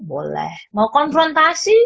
boleh mau konfrontasi